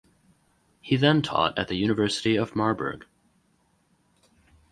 He then taught at the University of Marburg.